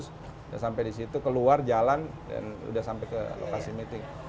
sudah sampai di situ keluar jalan dan sudah sampai ke lokasi meeting